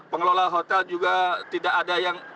pengelola hotel juga tidak ada yang